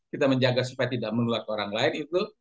kita menjaga supaya tidak menular ke orang lain